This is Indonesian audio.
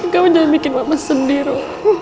kamu jangan bikin bapak sendiri